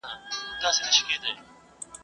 هغه پخوا هم له مظلومانو سره مرسته کړې وه.